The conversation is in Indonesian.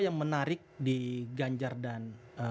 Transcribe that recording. yang menarik di ganjar dan